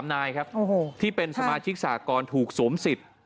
นายครับที่เป็นสมาชิกสากรถูกสวมสิทธิ์